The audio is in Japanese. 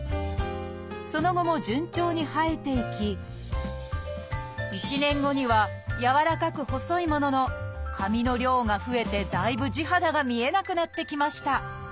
その後も順調に生えていき１年後にはやわらかく細いものの髪の量が増えてだいぶ地肌が見えなくなってきました